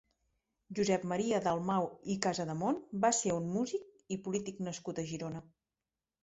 Josep Maria Dalmau i Casademont va ser un músic i polític nascut a Girona.